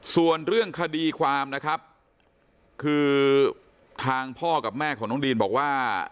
ส่วนเรื่องคดีความนะครับคือทางพ่อกับแม่ของน้องดีนบอกว่า